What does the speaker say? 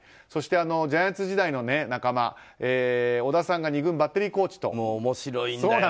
そしてジャイアンツ時代の仲間小田さんが２軍バッテリーコーチと。